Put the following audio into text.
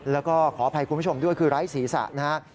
แล้วก็ขออภัยคุณผู้ชมด้วยคือไร้ศีรษะนะฮะ